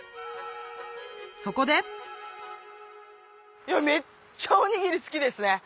そこでめっちゃおにぎり好きですね！